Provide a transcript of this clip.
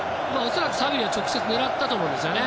恐らくサビリは直接狙ったと思うんですね。